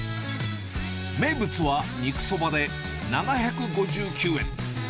名物は肉そばで７５９円。